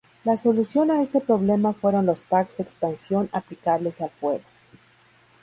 La solución a este problema fueron los packs de expansión aplicables al juego.